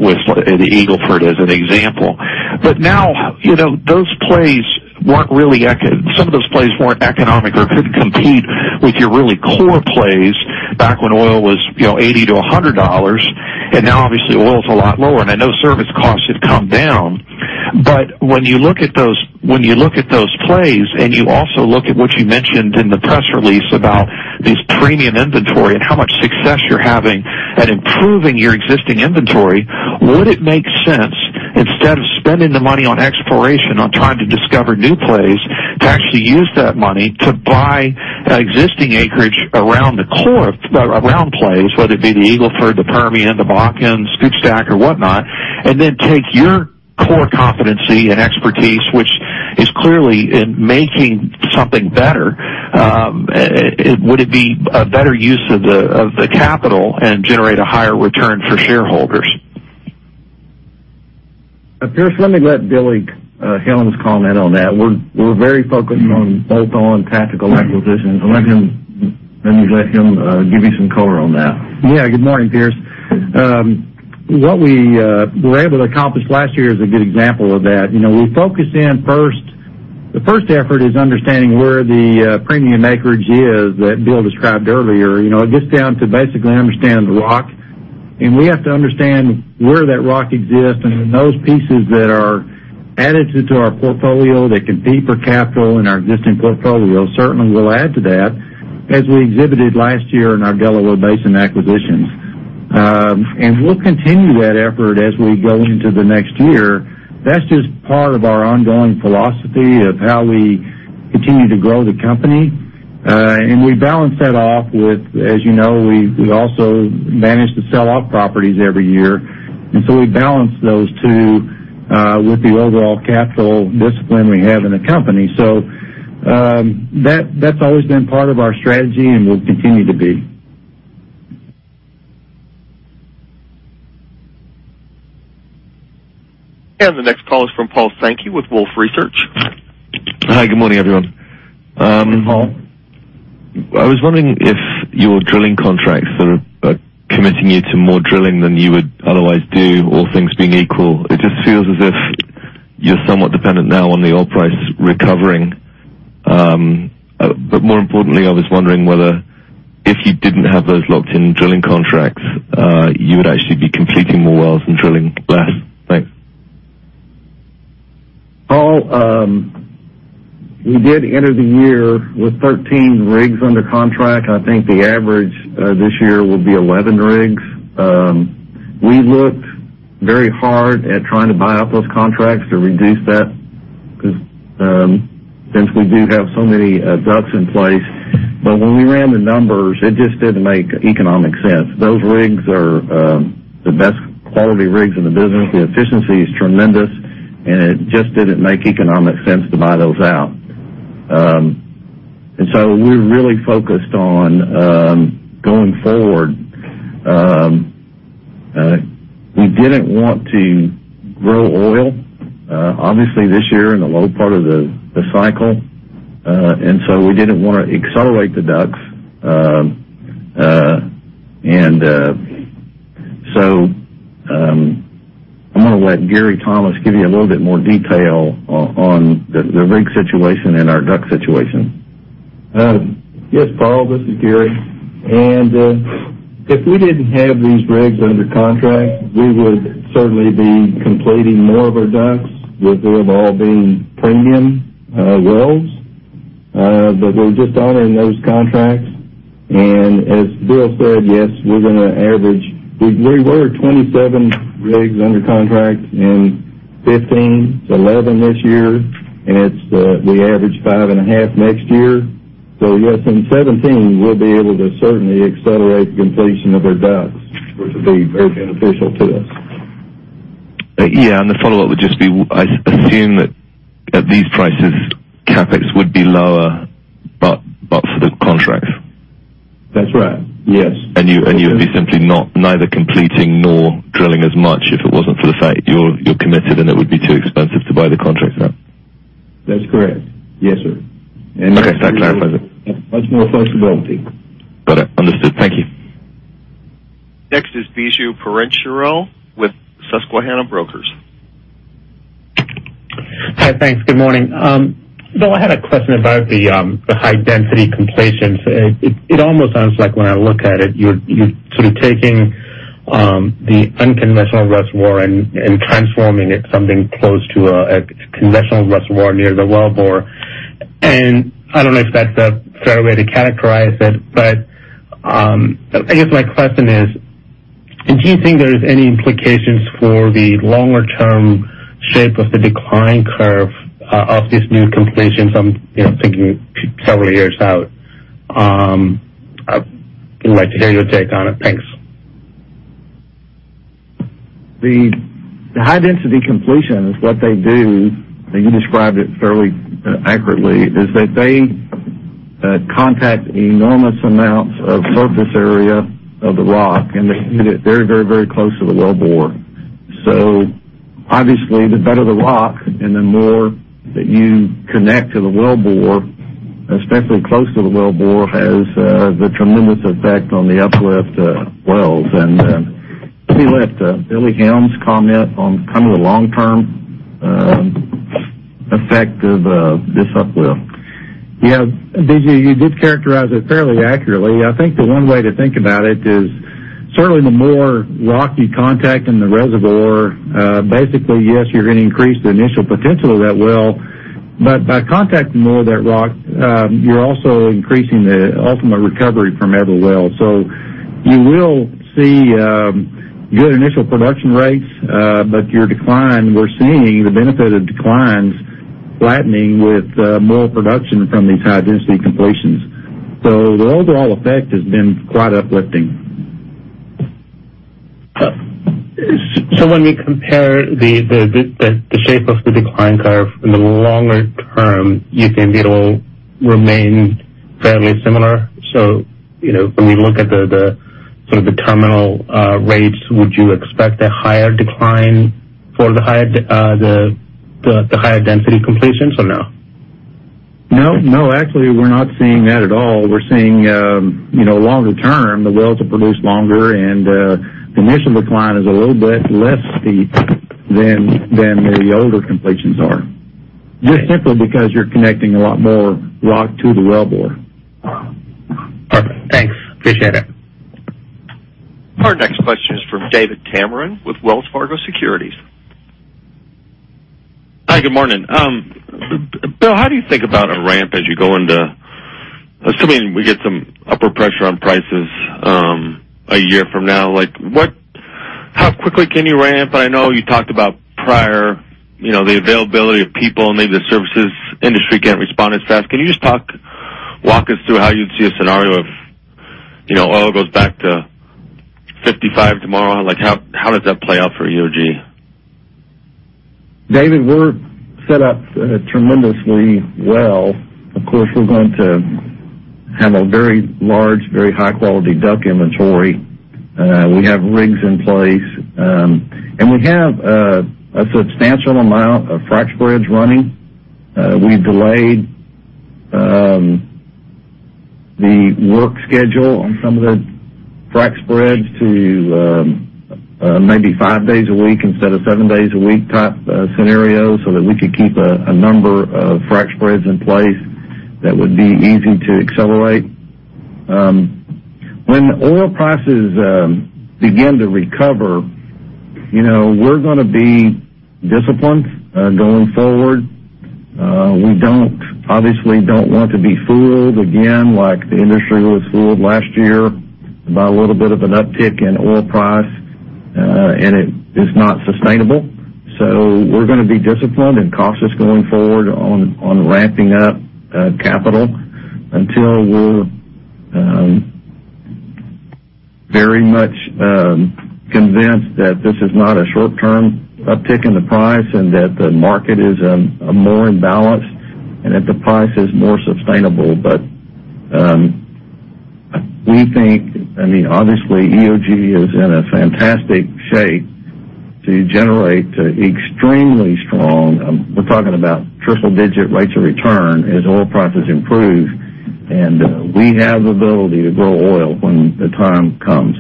with the Eagle Ford as an example. Now some of those plays weren't economic or couldn't compete with your really core plays back when oil was $80-$100, and now obviously oil's a lot lower, and I know service costs have come down. When you look at those plays and you also look at what you mentioned in the press release about this premium inventory and how much success you're having at improving your existing inventory, would it make sense, instead of spending the money on exploration, on trying to discover new plays, to actually use that money to buy existing acreage around plays, whether it be the Eagle Ford, the Permian, the Bakken, SCOOP/STACK, or whatnot, and then take your core competency and expertise, which is clearly in making something better? Would it be a better use of the capital and generate a higher return for shareholders? Pearce, let me let Billy Helms comment on that. We're very focused on both on tactical acquisitions. Let me let him give you some color on that. Good morning, Pearce. What we were able to accomplish last year is a good example of that. The first effort is understanding where the premium acreage is that Bill described earlier. It gets down to basically understanding the rock. We have to understand where that rock exists and those pieces that are added to our portfolio that compete for capital in our existing portfolio, certainly will add to that as we exhibited last year in our Delaware Basin acquisitions. We'll continue that effort as we go into the next year. That's just part of our ongoing philosophy of how we continue to grow the company. We balance that off with, as you know, we also manage to sell off properties every year. We balance those two with the overall capital discipline we have in the company. That's always been part of our strategy and will continue to be. The next call is from Paul Sankey with Wolfe Research. Hi, good morning, everyone. Good morning, Paul. I was wondering if your drilling contracts are committing you to more drilling than you would otherwise do, all things being equal. It just feels as if you're somewhat dependent now on the oil price recovering. More importantly, I was wondering whether if you didn't have those locked-in drilling contracts, you would actually be completing more wells and drilling less. Thanks. Paul, we did enter the year with 13 rigs under contract. I think the average this year will be 11 rigs. We looked very hard at trying to buy out those contracts to reduce that, since we do have so many DUCs in place. When we ran the numbers, it just didn't make economic sense. Those rigs are the best quality rigs in the business. The efficiency is tremendous, and it just didn't make economic sense to buy those out. We're really focused on going forward. We didn't want to grow oil, obviously, this year in the low part of the cycle. We didn't want to accelerate the DUCs. I'm going to let Gary Thomas give you a little bit more detail on the rig situation and our DUC situation. Yes, Paul, this is Gary. If we didn't have these rigs under contract, we would certainly be completing more of our DUCs, which would have all been premium wells. We're just honoring those contracts. As Bill said, yes, we're going to average We were 27 rigs under contract in 2015 to 11 this year, and we average five and a half next year. Yes, in 2017, we'll be able to certainly accelerate the completion of our DUCs, which will be very beneficial to us. The follow-up would just be, I assume that at these prices, CapEx would be lower, but for the contracts. That's right. Yes. You would be simply neither completing nor drilling as much if it wasn't for the fact you're committed, and it would be too expensive to buy the contracts out. That's correct. Yes, sir. Okay. That clarifies it. Much more flexibility. Got it. Understood. Thank you. Next is Biju Panjwani with Susquehanna Financial Group. Hi, thanks. Good morning. Bill, I had a question about the high-density completions. It almost sounds like when I look at it, you're sort of taking the unconventional reservoir and transforming it something close to a conventional reservoir near the wellbore. I don't know if that's a fair way to characterize it, but I guess my question is, do you think there's any implications for the longer term shape of the decline curve of these new completions? I'm thinking several years out. I would like to hear your take on it. Thanks. The high-density completion is what they do, you described it fairly accurately, is that they contact enormous amounts of surface area of the rock, they heat it very close to the wellbore. Obviously, the better the rock and the more that you connect to the wellbore, especially close to the wellbore, has the tremendous effect on the uplift wells. Let Billy Helms comment on the long-term effect of this uplift. Yeah. Biju, you did characterize it fairly accurately. I think the one way to think about it is certainly the more rock you contact in the reservoir, basically, yes, you're going to increase the initial potential of that well. By contacting more of that rock, you're also increasing the ultimate recovery from every well. You will see good initial production rates, but your decline, we're seeing the benefit of declines flattening with more production from these high-density completions. The overall effect has been quite uplifting. When we compare the shape of the decline curve in the longer term, you think it'll remain fairly similar? When we look at the terminal rates, would you expect a higher decline for the high-density completions, or no? No, actually, we're not seeing that at all. We're seeing longer term, the wells will produce longer, the initial decline is a little bit less steep than the older completions are. Just simply because you're connecting a lot more rock to the wellbore. Perfect. Thanks. Appreciate it. Our next question is from David Tameron with Wells Fargo Securities. Hi, good morning. Bill, how do you think about a ramp as you go into assuming we get some upward pressure on prices a year from now, how quickly can you ramp? I know you talked about prior, the availability of people, maybe the services industry can't respond as fast. Can you just walk us through how you'd see a scenario of oil goes back to $55 tomorrow? How does that play out for EOG? David, we're set up tremendously well. Of course, we're going to have a very large, very high-quality DUC inventory. We have rigs in place, and we have a substantial amount of frac spreads running. We've delayed the work schedule on some of the frac spreads to maybe five days a week instead of seven days a week type scenario so that we could keep a number of frac spreads in place that would be easy to accelerate. When oil prices begin to recover, we're going to be disciplined going forward. We obviously don't want to be fooled again, like the industry was fooled last year by a little bit of an uptick in oil price, and it is not sustainable. We're going to be disciplined and cautious going forward on ramping up capital until we're very much convinced that this is not a short-term uptick in the price, and that the market is more in balance, and that the price is more sustainable. We think, obviously EOG is in a fantastic shape to generate extremely strong, we're talking about triple-digit rates of return as oil prices improve, and we have the ability to grow oil when the time comes.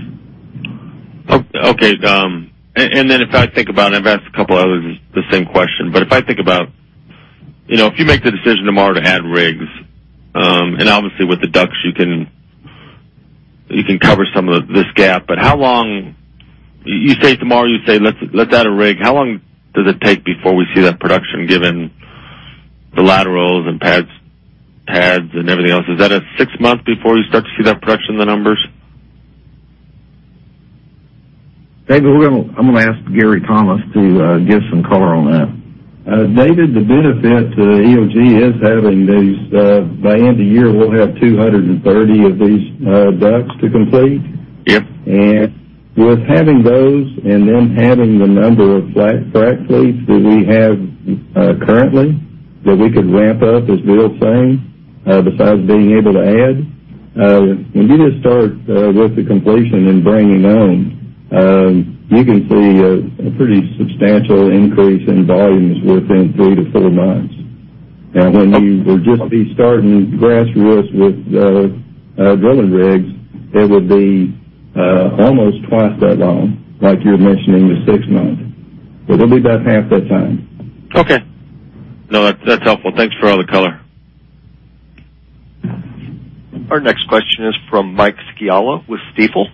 Okay. If I think about, and I've asked a couple others the same question. If I think about if you make the decision tomorrow to add rigs, and obviously with the DUCs, you can cover some of this gap, but how long You say tomorrow, you say, "Let's add a rig." How long does it take before we see that production given the laterals and pads, and everything else? Is that a six month before you start to see that production in the numbers? David, I'm going to ask Gary Thomas to give some color on that. David, the benefit to EOG is having these. By end of year, we'll have 230 of these DUCs to complete. Yep. With having those and then having the number of flat frac fleets that we have currently that we could ramp up, as Bill's saying, besides being able to add. When you just start with the completion and bringing on, you can see a pretty substantial increase in volumes within three to four months. Now, when you would just be starting grassroots with drilling rigs, it would be almost twice that long, like you're mentioning, the six months. It'll be about half that time. Okay. No, that's helpful. Thanks for all the color. Our next question is from Michael Scialla with Stifel.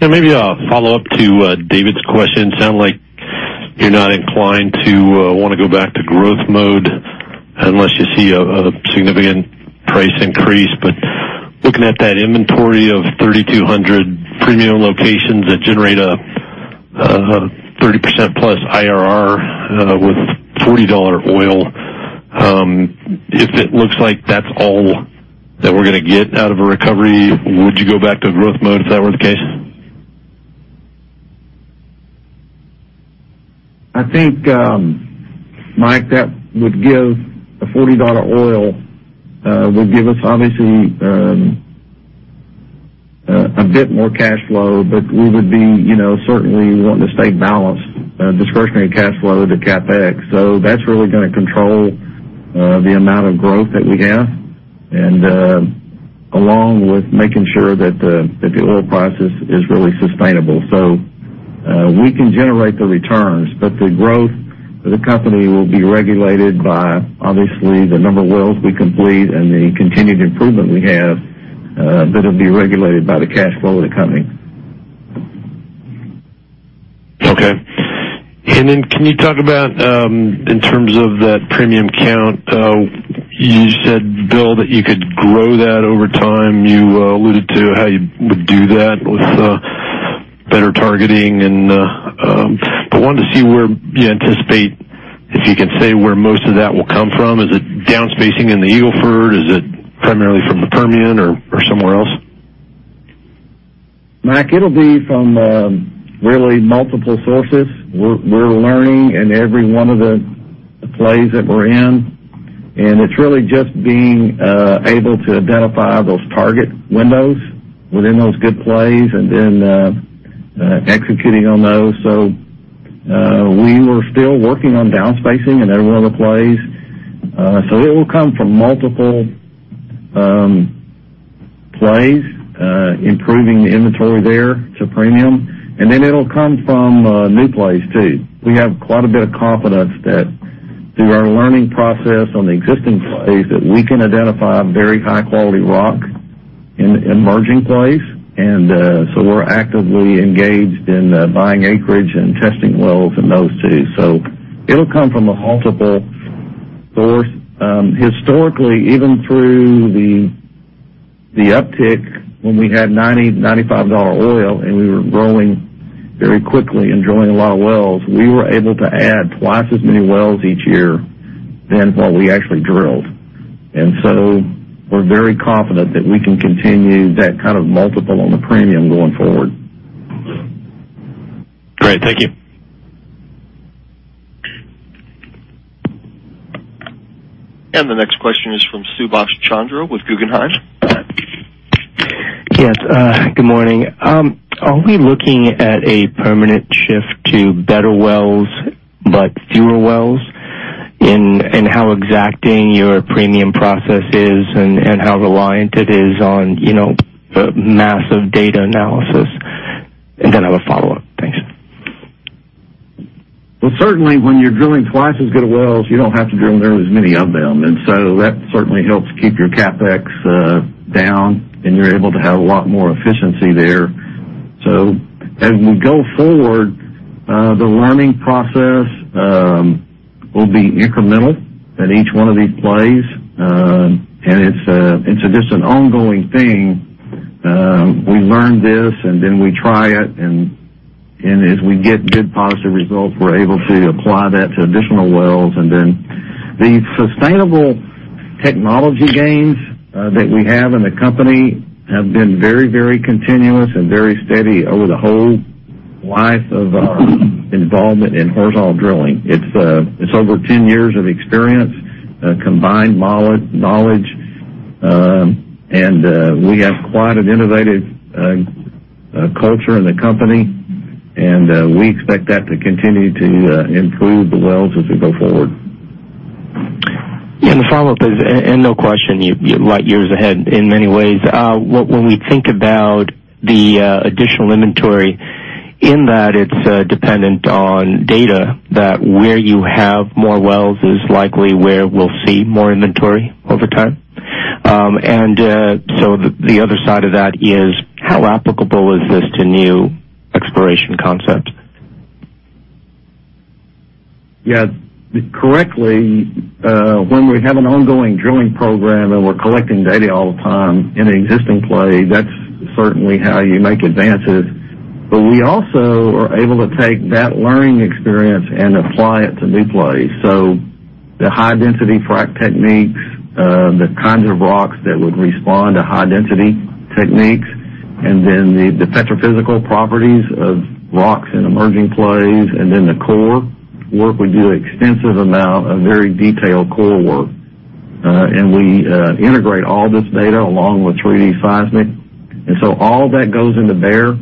Yeah, maybe a follow-up to David's question. Sound like you're not inclined to want to go back to growth mode unless you see a significant price increase. Looking at that inventory of 3,200 premium locations that generate a 30%+ IRR with $40 oil, if it looks like that's all that we're going to get out of a recovery, would you go back to growth mode if that were the case? I think, Mike, that would give a $40 oil, would give us obviously a bit more cash flow, but we would be certainly wanting to stay balanced discretionary cash flow to CapEx. That's really going to control the amount of growth that we have, and along with making sure that the oil price is really sustainable. We can generate the returns, but the growth of the company will be regulated by obviously the number of wells we complete and the continued improvement we have that'll be regulated by the cash flow of the company. Okay. Can you talk about in terms of that premium count? You said, Bill, that you could grow that over time. You alluded to how you would do that with better targeting. I wanted to see where you anticipate, if you could say where most of that will come from. Is it downspacing in the Eagle Ford? Is it primarily from the Permian or somewhere else? Mike, it'll be from really multiple sources. We're learning in every one of the plays that we're in, and it's really just being able to identify those target windows within those good plays and then executing on those. We were still working on downspacing in every one of the plays. It will come from multiple plays, improving the inventory there to premium, then it'll come from new plays too. We have quite a bit of confidence that through our learning process on the existing plays, that we can identify very high-quality rock in emerging plays. We're actively engaged in buying acreage and testing wells in those too. It'll come from a multiple source. Historically, even through the uptick when we had $90, $95 oil, and we were growing very quickly and drilling a lot of wells, we were able to add twice as many wells each year than what we actually drilled. We're very confident that we can continue that kind of multiple on the premium going forward. Great. Thank you. The next question is from Subash Chandra with Guggenheim. Yes, good morning. Are we looking at a permanent shift to better wells but fewer wells in how exacting your premium process is and how reliant it is on massive data analysis? I have a follow-up. Thanks. Well, certainly, when you're drilling twice as good of wells, you don't have to drill nearly as many of them, and so that certainly helps keep your CapEx down, and you're able to have a lot more efficiency there. As we go forward, the learning process will be incremental at each one of these plays. It's just an ongoing thing. We learn this, and then we try it, and as we get good positive results, we're able to apply that to additional wells. The sustainable technology gains that we have in the company have been very, very continuous and very steady over the whole life of our involvement in horizontal drilling. It's over 10 years of experience, combined knowledge, and we have quite an innovative culture in the company, and we expect that to continue to improve the wells as we go forward. Yeah. The follow-up is, no question, you're light years ahead in many ways. When we think about the additional inventory, in that it's dependent on data that where you have more wells is likely where we'll see more inventory over time. The other side of that is how applicable is this to new exploration concepts? Yeah. Correctly, when we have an ongoing drilling program and we're collecting data all the time in an existing play, that's certainly how you make advances. We also are able to take that learning experience and apply it to new plays. The high-density frac techniques, the kinds of rocks that would respond to high-density techniques, and then the petrophysical properties of rocks in emerging plays, and then the core work. We do an extensive amount of very detailed core work. We integrate all this data along with 3D seismic, all that goes into bear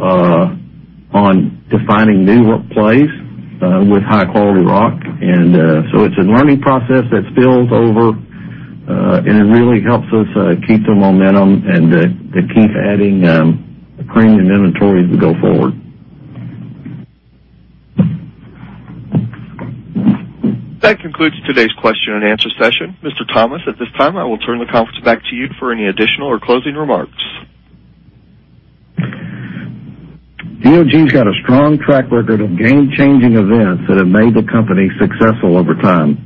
on defining new plays with high-quality rock. It's a learning process that spills over, and it really helps us keep the momentum and to keep adding Premium inventory as we go forward. That concludes today's question and answer session. Mr. Thomas, at this time, I will turn the conference back to you for any additional or closing remarks. EOG's got a strong track record of game-changing events that have made the company successful over time.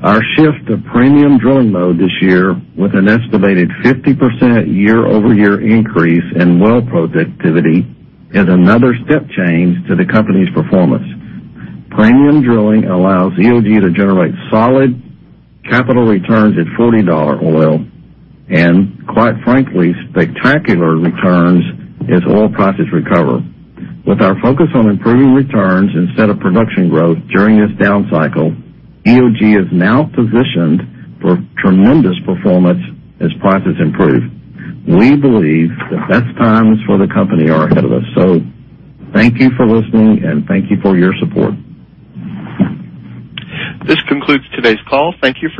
Our shift to Premium Drilling mode this year, with an estimated 50% year-over-year increase in well productivity, is another step change to the company's performance. Premium Drilling allows EOG to generate solid capital returns at $40 oil and, quite frankly, spectacular returns as oil prices recover. With our focus on improving returns instead of production growth during this down cycle, EOG is now positioned for tremendous performance as prices improve. We believe the best times for the company are ahead of us. Thank you for listening, and thank you for your support. This concludes today's call.